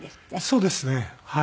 そうですねはい。